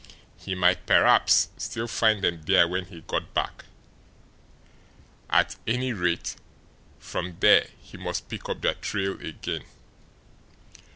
He might perhaps still find them there when he got back; at any rate, from there he must pick up their trail again.